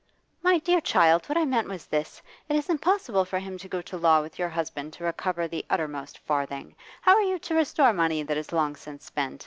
'My dear child, what I meant was this: it is impossible for him to go to law with your husband to recover the uttermost farthing. How are you to restore money that is long since spent?